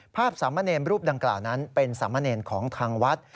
สามเณรรูปดังกล่าวนั้นเป็นสามเณรของทางวัด